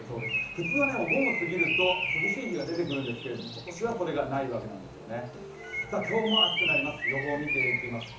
普通はお盆を過ぎると涼しい日が出てくるんですけれども今年はそれがないわけなんですね。